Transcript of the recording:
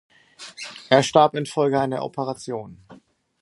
Er starb infolge einer Operation.